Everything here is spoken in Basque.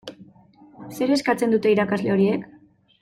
Zer eskatzen dute irakasle horiek?